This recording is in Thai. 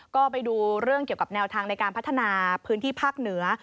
ก็ไปดูเรื่องเกี่ยวกับแนวทางในการพัฒนาพื้นที่ภาคเหนือ